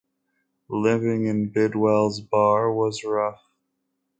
Living in Bidwell's Bar was rough.